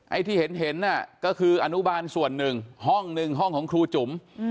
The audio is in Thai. ที่เห็นน่ะก็คืออนุบาลส่วนหนึ่งห้องหนึ่งห้องของครูจุ๋ม